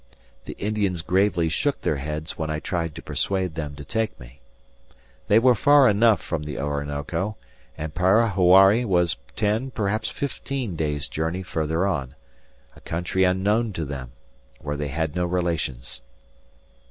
The Indians gravely shook their heads when I tried to persuade them to take me. They were far enough from the Orinoco, and Parahuari was ten, perhaps fifteen, days' journey further on a country unknown to them, where they had no relations.